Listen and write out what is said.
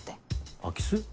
空き巣？